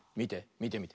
みてみて。